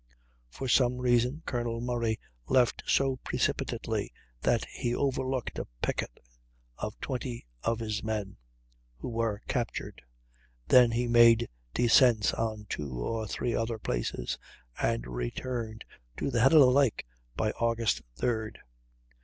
For some reason Colonel Murray left so precipitately that he overlooked a picket of 20 of his men, who were captured; then he made descents on two or three other places, and returned to the head of the lake by Aug. 3d.